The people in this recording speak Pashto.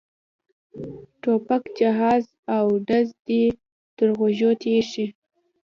ټوپک جهاز او ډز دې تر غوږو تېر شي.